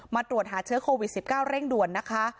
มาตรวจหาเชื้อโควิด๑๙เร่งด่วนนะคะ